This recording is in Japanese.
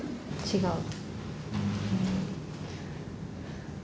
違う。